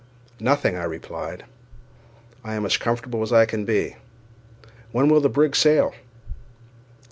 "Nothing," I replied; "I am as comfortable as can be; when will the brig sail?"